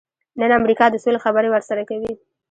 نن امریکا د سولې خبرې ورسره کوي.